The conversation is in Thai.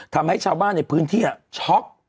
ทำให้ชาวบ้านในพื้นที่ช็อก